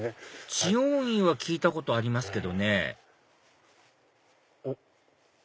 知恩院は聞いたことありますけどねおっ。